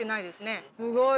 すごい。